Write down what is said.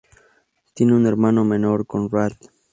Tiene un hermano menor, Conrad.